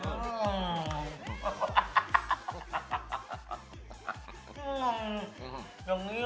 เดี๋ยวจะนั่งตรงนี้เลย